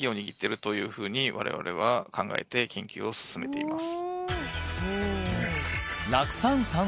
というふうに我々は考えて研究を進めています